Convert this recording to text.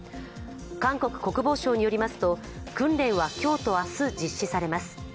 韓国国防省によりますと訓練は今日と明日、実施されます。